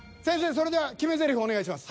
それでは決めゼリフお願いします。